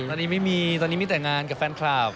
ตอนนี้ไม่มีตอนนี้มีแต่งานกับแฟนคลับ